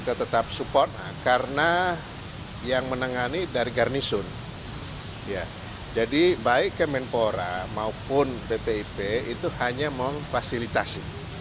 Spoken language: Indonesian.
badan pembinaan ideologi pancasila maupun bpip itu hanya memfasilitasi